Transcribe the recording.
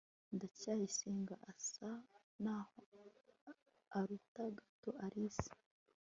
ndacyayisenga asa naho aruta gato alice